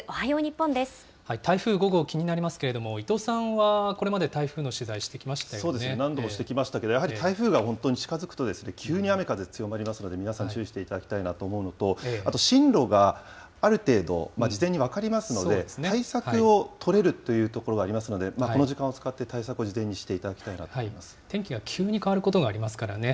台風５号、気になりますけれども、伊藤さんは、これまで台風の取材、してきそうですね、何度もしてきましたけれども、やはり台風が本当に近づくと、急に雨風強まりますので、皆さん、注意していただきたいなと思うのと、あと、進路がある程度、事前に分かりますので、対策を取れるというところがありますので、この時間を使って対策を事前にしていただきたいなと思天気は急に変わることがありますからね。